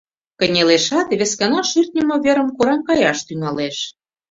Кынелешат, вескана шӱртньымӧ верым кораҥ каяш тӱҥалеш.